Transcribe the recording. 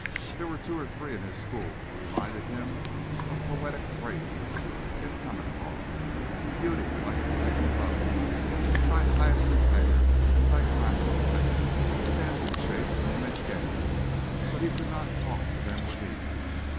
There were two or three in his school who reminded him of poetic phrases he had come across "beauty like a tightened bow," "thy hyacinth hair, thy classic face," "a dancing shape, an image gay" but he could not talk to them with ease.